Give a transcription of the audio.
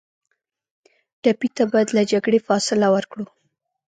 ټپي ته باید له جګړې فاصله ورکړو.